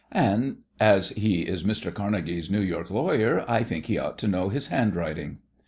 "And as he is Mr. Carnegie's New York lawyer I think he ought to know his handwriting."